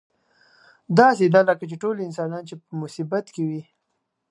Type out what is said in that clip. داسې ده لکه ټول انسانان چې په مصیبت کې وي.